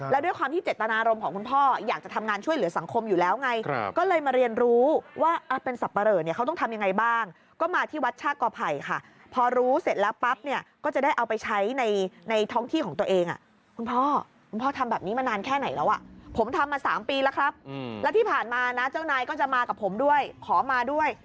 แล้วที่ผ่านมานะเจ้านายก็จะมากับผมด้วยขอมาด้วย